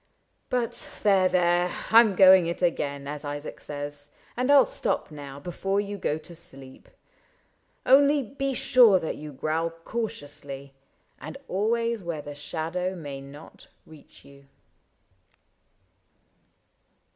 — But there, there, I 'm going it again, as Isaac says. And I *11 stop now before you go to sleep. — Only be sure that you growl cautiously, And always where the shadow may not reach you."